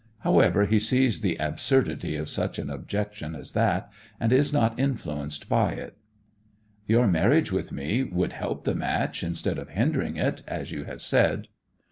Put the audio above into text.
However, he sees the absurdity of such an objection as that, and is not influenced by it.' 'Your marriage with me would help the match, instead of hindering it, as you have said.